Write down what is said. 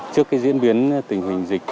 trước cái diễn biến tình hình dịch